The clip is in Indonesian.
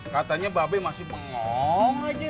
katanya bebe masih bengong aja